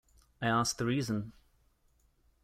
I asked the reason.